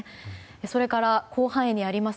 それから広範囲にあります